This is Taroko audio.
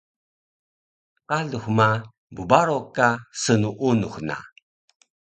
Qalux ma bbaro ka snuunux na